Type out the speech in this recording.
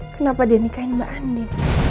kenapa dia nikahin mbak andi